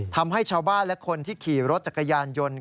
ทำให้ชาวบ้านและคนที่ขี่รถจักรยานยนต์